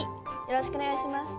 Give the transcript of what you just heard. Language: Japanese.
よろしくお願いします。